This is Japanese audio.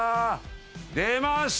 出ました